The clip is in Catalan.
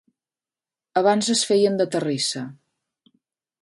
Abans es feien de terrissa.